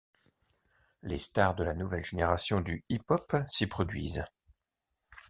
Les stars de la nouvelle génération du hip-hop s’y produisent.